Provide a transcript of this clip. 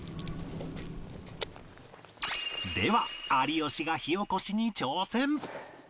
では有吉が火おこしに挑戦！